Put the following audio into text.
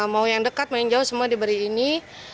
mau yang dekat mau yang jauh semua diberi ini